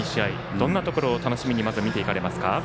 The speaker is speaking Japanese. どんなところを楽しみに見ていかれますか。